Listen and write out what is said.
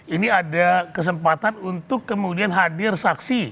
ini ada kesempatan untuk kemudian hadir saksi